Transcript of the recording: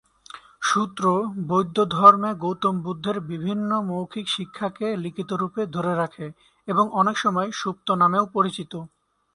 সুত্র বৌদ্ধধর্মে গৌতম বুদ্ধের বিভিন্ন মৌখিক শিক্ষাকে লিখিত রূপে ধরে রাখে এবং অনেকসময় "সুত্ত" নামেও পরিচিত।